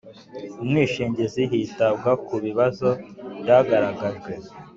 Umwishingizi hitabwa ku bibazo byagaragajwe